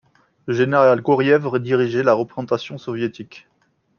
Le général Goriev dirigeait la représentation soviétique.